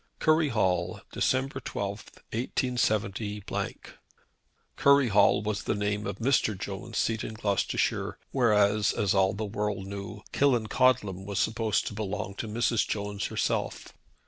"CURRY HALL, _December 12, 187 _." Curry Hall was the name of Mr. Jones' seat in Gloucestershire, whereas, as all the world knew, Killancodlem was supposed to belong to Mrs. Jones herself.